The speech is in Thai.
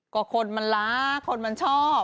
ก็คนมันล้าคนมันชอบ